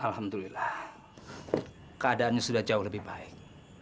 alhamdulillah keadaannya sudah jauh lebih baik